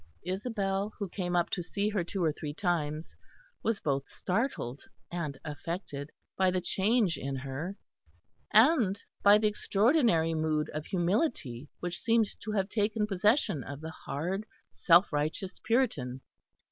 Isabel, who came up to see her two or three times, was both startled and affected by the change in her; and by the extraordinary mood of humility which seemed to have taken possession of the hard self righteous Puritan.